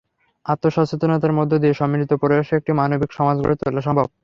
আত্মসচেতনতার মধ্য দিয়ে সম্মিলিত প্রয়াসে একটি মানবিক সমাজ গড়ে তোলা সম্ভব।